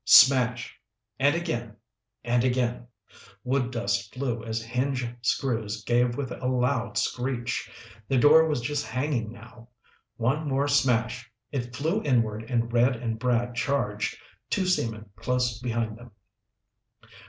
Smash. And again, and again. Wood dust flew as hinge screws gave with a loud screech. The door was just hanging now. One more smash! It flew inward and Red and Brad charged, two seamen close behind them.